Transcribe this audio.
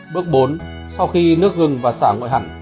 bước bốn sau khi nước gừng và sả nguội hẳn